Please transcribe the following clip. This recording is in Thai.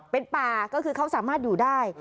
เป็นป่าก็คือเขาสามารถอยู่ได้